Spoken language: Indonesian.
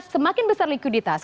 semakin besar likuiditas